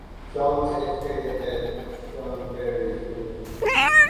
Shaw was educated at Shrewsbury School.